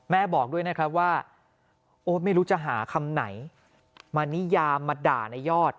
บอกด้วยนะครับว่าโอ้ไม่รู้จะหาคำไหนมานิยามมาด่าในยอด